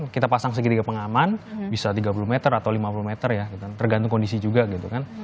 kita pasang segitiga pengaman bisa tiga puluh meter atau lima puluh meter ya tergantung kondisi juga gitu kan